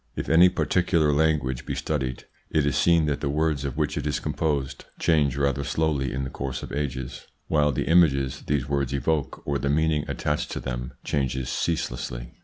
If any particular language be studied, it is seen that the words of which it is composed change rather slowly in the course of ages, while the images these words evoke or the meaning attached to them changes ceaselessly.